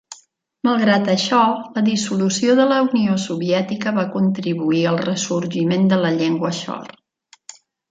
Malgrat això, la dissolució de la Unió Soviètica va contribuir al ressorgiment de la llengua Shor.